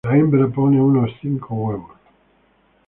La hembra pone unos cinco huevos.